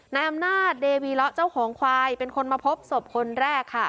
นายอำนาจเดวีเลาะเจ้าของควายเป็นคนมาพบศพคนแรกค่ะ